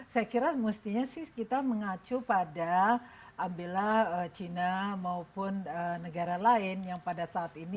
saya kira mestinya sih kita mengacu pada ambillah china maupun negara lain yang pada saat ini